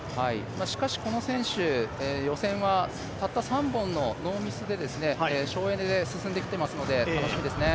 しかし、この選手予選はたった３本のノーミスで省エネで進んできてますので楽しみですね。